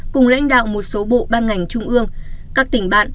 cùng lãnh đạo một số bộ ban ngành trung ương các tỉnh bạn